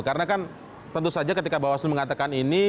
karena kan tentu saja ketika bawaslo mengatakan ini